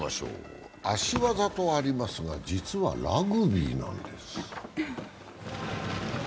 足技とありますが、実はラグビーなんです。